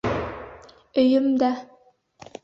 Өйөм дә.